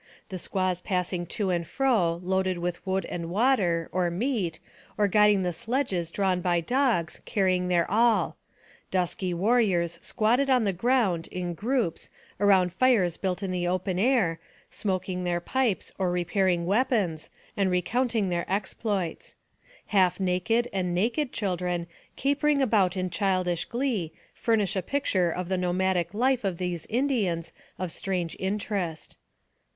The squaws passing to and fro, loaded with wood and water, or meat, or guiding the sledges drawn by dogs, carrying their all ; dusky warriors squatted on the ground, in groups, around fires built in the open air, smoking their pipes, or repairing weapons, and recounting their exploits ; half naked and naked children capering about in childish glee, furnish a picture of the nomadic life of these Indians of strange interest.